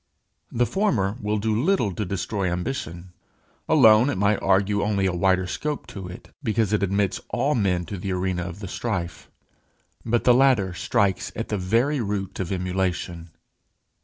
The former will do little to destroy ambition. Alone it might argue only a wider scope to it, because it admits all men to the arena of the strife. But the latter strikes at the very root of emulation.